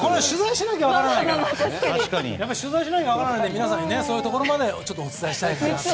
取材しないと分からないから皆さんにそういうところまでお伝えしたいかなと。